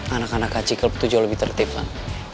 anak anak kaji klub tuh jauh lebih tertib lah